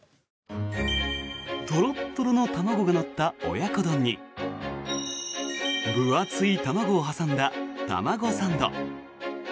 トロットロの卵が乗った親子丼に分厚い卵を挟んだ卵サンド。